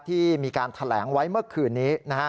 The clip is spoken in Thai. ที่มีการแถลงไว้เมื่อคืนนี้